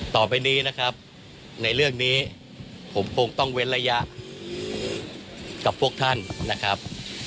ต่อไปนี้นะครับในเรื่องนี้ผมคงต้องเว้นระยะกับพวกท่านนะครับ